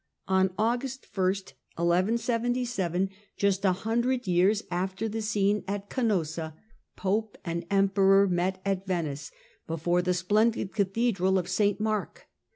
On August 1, 1177, just a hundred years after the scene at Canossa, Pope and Emperor met at Venice, before the splendid Cathedral of St Mark.